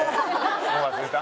もう忘れた？